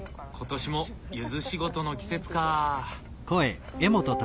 今年もゆず仕事の季節かあ。